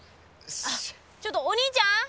ちょっとお兄ちゃん！